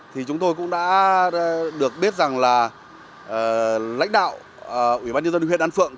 thì chúng tôi cũng đã được biết rằng là lãnh đạo ubnd huyện an phượng